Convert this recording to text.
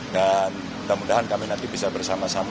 dan semoga kami nanti bisa bersama sama